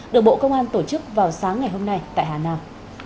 được bộ công an tổ chức vào sáng ngày hôm nay tại hà nam